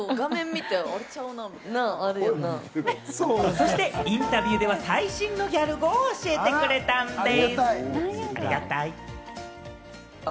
そしてインタビューでは最新のギャル語を教えてくれたんでぃす。